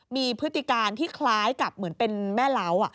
มีพฤติการที่คล้ายกับเหมือนเป็นแม่เล้า